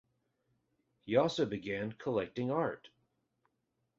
He also began collecting art.